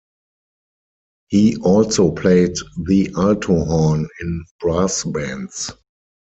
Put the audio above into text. He also played the alto horn in brass bands.